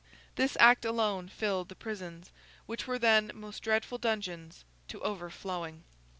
This Act alone filled the prisons, which were then most dreadful dungeons, to overflowing.